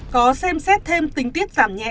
có xem xét thêm tính tiết giảm nhẹ